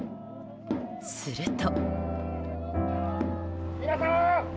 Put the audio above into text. すると。